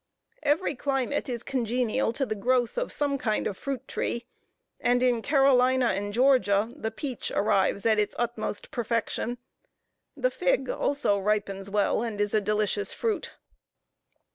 Every climate is congenial to the growth of some kind of fruit tree; and in Carolina and Georgia, the peach arrives at its utmost perfection; the fig also ripens well, and is a delicious fruit.